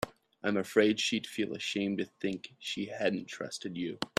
I'm afraid she'd feel ashamed to think she hadn't trusted you.